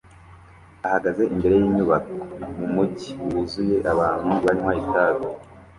ahagaze imbere yinyubako mumujyi wuzuye abantu banywa itabi